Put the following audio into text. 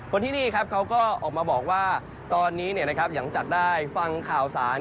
คนที่นี่ครับเขาก็ออกมาบอกว่าตอนนี้หลังจากได้ฟังข่าวสาร